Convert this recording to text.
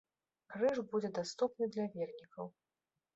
Крыж будзе даступны для вернікаў.